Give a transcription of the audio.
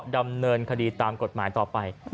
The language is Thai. ดำเนินคดีตามกฎหมายต่อไป